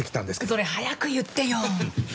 それ早く言ってよ！